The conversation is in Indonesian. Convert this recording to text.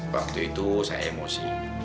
waktu itu saya emosi